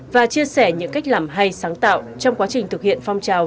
và chia sẻ những cách làm hay sáng tạo trong quá trình thực hiện phong trào